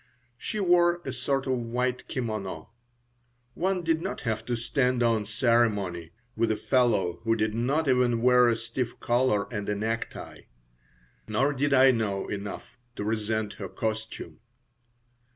She wore a sort of white kimono. One did not have to stand on ceremony with a fellow who did not even wear a stiff collar and a necktie. Nor did I know enough to resent her costume.